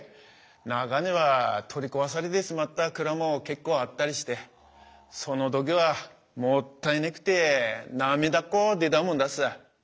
中には取り壊されてしまった蔵も結構あったりしてその時はもったいねくて涙っこ出たもんだす。